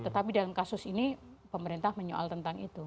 tetapi dalam kasus ini pemerintah menyoal tentang itu